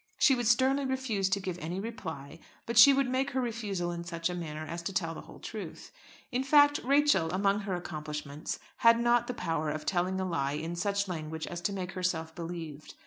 She would sternly refuse to give any reply; but she would make her refusal in such a manner as to tell the whole truth. In fact, Rachel, among her accomplishments, had not the power of telling a lie in such language as to make herself believed.